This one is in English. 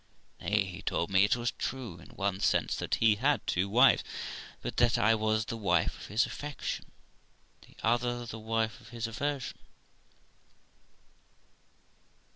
Nay, he told me it was true, in one sense, that he had two wives, but that I was the wife of his affection, the other the wife of his aversion.